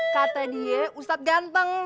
kata dia ustadz ganteng